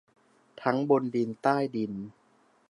ทั้งบนดินใต้ดิน